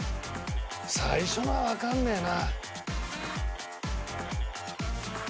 「最初のはわかんねえな」